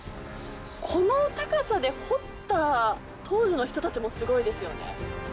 この高さで掘った当時の人たちもすごいですよね。